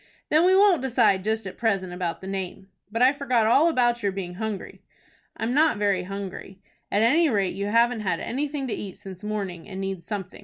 "Then we won't decide just at present about the name. But I forgot all about your being hungry." "I'm not very hungry." "At any rate you haven't had anything to eat since morning, and need something.